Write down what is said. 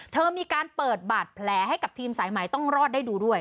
เธอมีการเปิดบาดแผลให้กับทีมสายใหม่ต้องรอดได้ดูด้วย